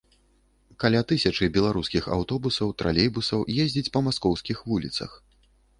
Каля тысячы беларускіх аўтобусаў, тралейбусаў ездзіць па маскоўскіх вуліцах.